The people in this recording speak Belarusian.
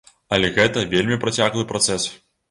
Але гэта вельмі працяглы працэс.